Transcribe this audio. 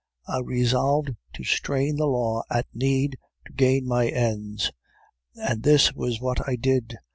I resolved to strain the law at need to gain my ends, and this was what I did.